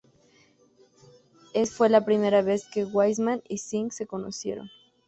Es fue la primera vez que Wiseman y Singh se conocieron.